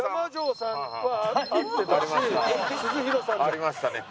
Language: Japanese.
ありましたね。